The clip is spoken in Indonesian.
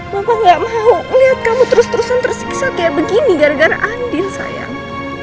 mama gak mau ngeliat kamu terus terusan tersiksa kayak begini gara gara andin sayang